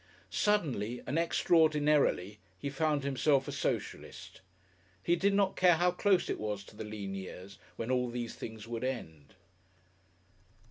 Suddenly and extraordinarily he found himself a socialist. He did not care how close it was to the lean years when all these things would end.